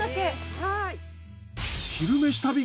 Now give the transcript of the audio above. はい。